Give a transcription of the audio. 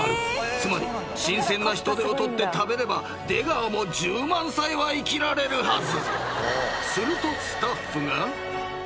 ［つまり新鮮なヒトデをとって食べれば出川も１０万歳は生きられるはず］